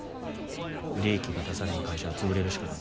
利益が出されへん会社は潰れるしかない。